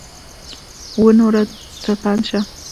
ونورو ته پند شه !